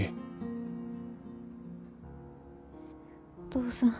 お父さん。